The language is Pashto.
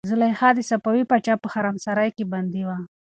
زلیخا د صفوي پاچا په حرمسرای کې بندي وه.